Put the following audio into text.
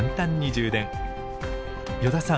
依田さん